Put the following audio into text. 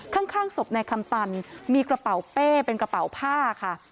ข้างศพนายคำตันมีกระเป๋าเป้เป็นกระเป๋าผ้าค่ะ